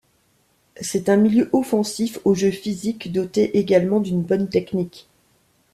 C'est un milieu offensif au jeu physique doté également d'une bonne technique.